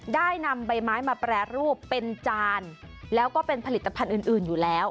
ได้นำใบไม้มาแปรรูปเป็นจานแล้วก็เป็นผลิตภัณฑ์อื่นอยู่แล้ว